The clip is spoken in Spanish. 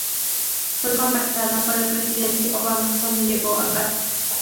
Fue contactada por el presidente Obama cuando llegó a casa.